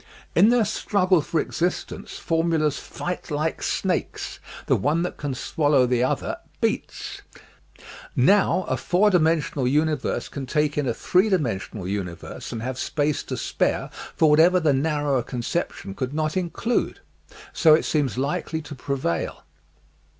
In their struggle for existence, formulas fight like snakes; the one that can swallow the other beats. Now a four dimensional universe can take in a three dimensional universe and have space to spare for whatever the nar rower conception could not include so it seems likely to prevail.